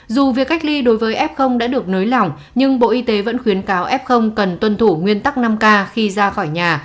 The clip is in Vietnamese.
dù việc cách ly đối với f đã được nới lỏng nhưng bộ y tế vẫn khuyến cáo f cần tuân thủ nguyên tắc năm k khi ra khỏi nhà